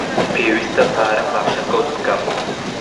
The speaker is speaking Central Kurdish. پێویستە پارە پاشەکەوت بکەم.